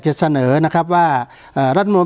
การแสดงความคิดเห็น